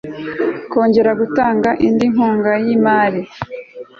kongera gutanga indi nkunga y imari